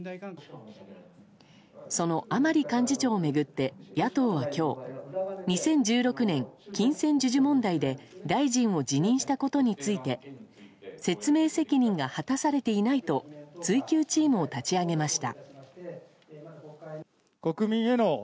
その甘利幹事長を巡って野党は今日２０１６年、金銭授受問題で大臣を辞任したことについて説明責任が果たされていないと追及チームを立ち上げました。